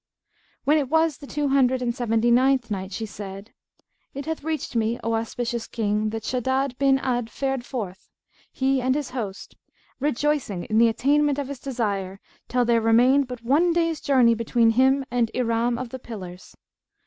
When it was the Two Hundred and Seventy ninth Night, She said, It hath reached me, O auspicious King, that Shaddad bin Ad fared forth, he and his host, rejoicing in the attainment of his desire till there remained but one day's journey between him and Iram of the Pillars.